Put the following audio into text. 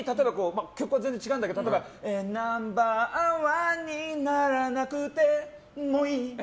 曲は全然違うけどナンバーワンにならなくてもいい。